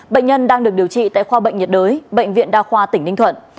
bệnh nhân đang được điều trị tại khoa bệnh nhiệt đới bệnh viện đa khoa tỉnh ninh thuận